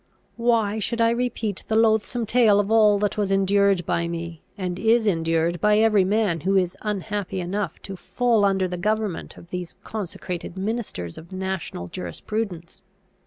Why should I repeat the loathsome tale of all that was endured by me, and is endured by every man who is unhappy enough to fall under the government of these consecrated ministers of national jurisprudence?